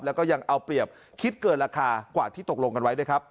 แล้วก็ยังเอาเปรียบคิดเกินราคากว่าที่ตกลงกันไว้ด้วยครับ